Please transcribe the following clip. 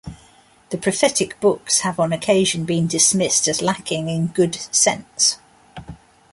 The prophetic books have on occasion been dismissed as lacking in good sense.